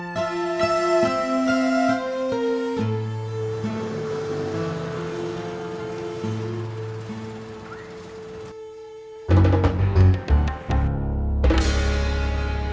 empat dua tiga mulai